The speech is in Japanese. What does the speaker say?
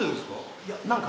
いや何かね